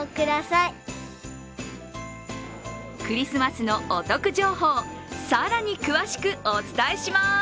クリスマスのお得情報、更に詳しくお伝えします。